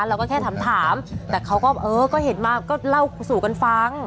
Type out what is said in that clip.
เราก็แค่ถามแต่เขาก็เห็นมากทดลองร่วมกันฟัง